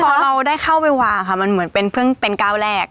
เหมือนพอเราได้เข้าไปวางค่ะมันเหมือนเป็นก้าวแรก